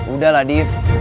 udah lah div